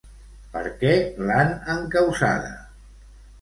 Per què l'han encausada?